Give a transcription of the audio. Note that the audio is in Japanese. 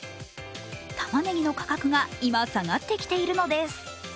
たまねぎの価格が今、下がってきているのです。